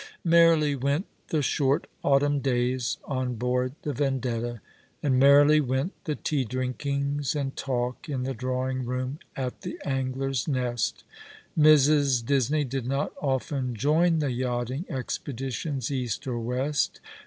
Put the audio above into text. Merrily went the short autumn days on board the Vendetta^ and merrily went the tea drinkings and talk in the drawing room at the Angler's Nest. Mrs. Disney did not often join the yachting expeditions east or west.